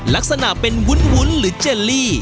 ลักษณะเป็นวุ้นหรือเจลลี่